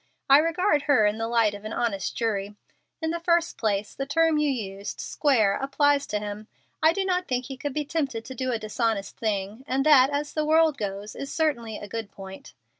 I regard her in the light of an honest jury. In the first place the term you used, 'square,' applies to him. I do not think he could be tempted to do a dishonest thing; and that, as the world goes, is certainly a good point."